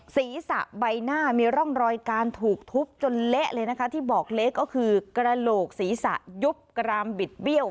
ศีรษะใบหน้ามีร่องรอยการถูกทุบจนเละเลยนะคะที่บอกเละก็คือกระโหลกศีรษะยุบกรามบิดเบี้ยว